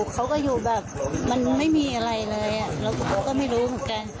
เขาก็อยู่แบบมันไม่มีอะไรเลยแล้วเขาก็ไม่รู้เหมือนกัน